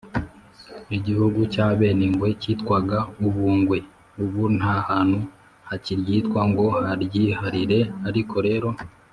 igihugu cy’abenengwe cyitwaga ubungwe. ubu nta hantu hakiryitwa ngo haryiharire; ariko rero